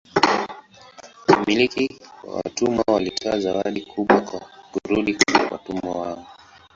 Wamiliki wa watumwa walitoa zawadi kubwa kwa kurudi kwa watumwa wao.